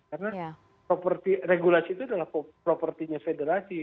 karena regulasi itu adalah propertinya federasi